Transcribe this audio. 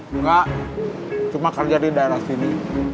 juga cuma kerja di daerah sini